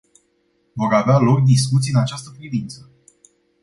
Vor avea loc discuții în această privință.